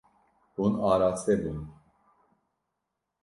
Hûn araste bûn.